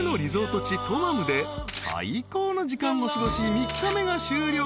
トマムで最高の時間を過ごし３日目が終了］